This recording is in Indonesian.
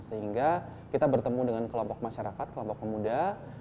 sehingga kita bertemu dengan kelompok masyarakat kelompok pemuda